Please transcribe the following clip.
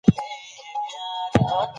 پلي ګرځېدل د ذهني فشار په کمولو کې مرسته کوي.